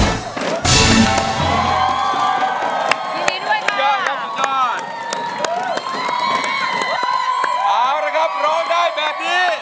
เอาละครับร้องได้แบบนี้